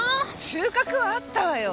収穫はあったわよ。